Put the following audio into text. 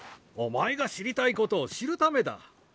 お前が知りたいことを知るためだ。